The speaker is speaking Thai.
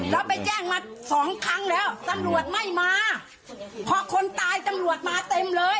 เราไปแจ้งมาสองครั้งแล้วตำรวจไม่มาพอคนตายตำรวจมาเต็มเลย